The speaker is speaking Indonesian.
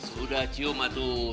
sudah cium aduh